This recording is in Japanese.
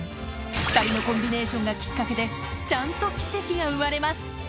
２人のコンビネーションがきっかけで、ちゃんと奇跡が生まれます。